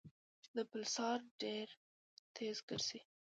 د پلسار ډېر تېز ګرځي.